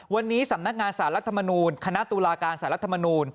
วันนี้สำนักงานสารักษณ์มนุนคณะตุลาการสารักษณ์มนุน